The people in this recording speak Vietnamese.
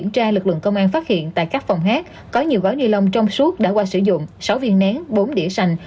tại các phòng hát có nhiều gói ni lông trong suốt đã qua sử dụng sáu viên nén bốn đĩa sành